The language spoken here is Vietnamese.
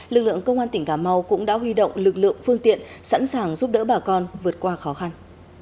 lực lượng công an tỉnh cà mau cũng đã huy động lực lượng phương tiện sẵn sàng giúp đỡ bà con vượt qua khó khăn